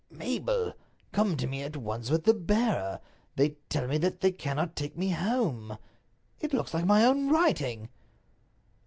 "Mabel, come to me at once with the bearer. They tell me that they cannot take me home." It looks like my own writing."